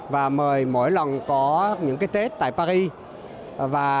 và mời mỗi lần có những cái tết tại paris